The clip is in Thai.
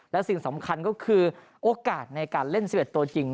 และสิ่งสำคัญก็คือโอกาสในการเล่น๑๑ตัวจริง